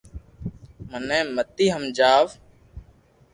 مني متي ھمجاو